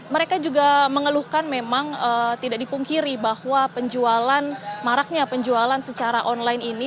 mereka juga mengeluhkan memang tidak dipungkiri bahwa penjualan maraknya penjualan secara online ini